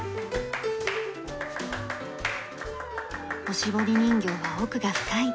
おしぼり人形は奥が深い。